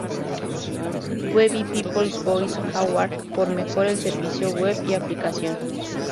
Webby People's Voice Award por mejor el servicio Web y Aplicación.